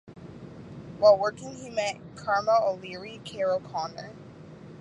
While working he met Carmel O’Leary (Carol Connor).